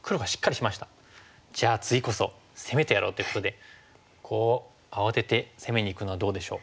じゃあ次こそ攻めてやろうっていうことでこう慌てて攻めにいくのはどうでしょう？